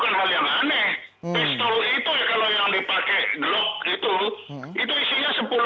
kecurigaan ini seberapa bisa diakomodasi pak sebenarnya